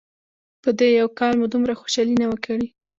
په دې یو کال مو دومره خوشحالي نه وه کړې.